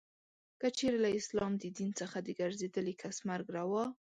که چیري له اسلام د دین څخه د ګرځېدلې کس مرګ روا.